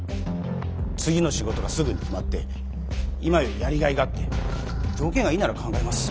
次の仕事がすぐに決まって今よりやりがいがあって条件がいいなら考えます。